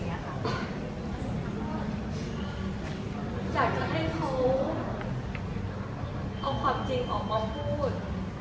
อยากจะให้เขาเอาความจริงออกมาพูด